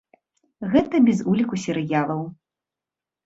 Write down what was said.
Гэта без уліку серыялаў.